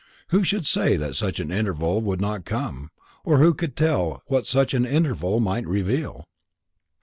Who should say that such an interval would not come, or who could tell what such an interval might reveal?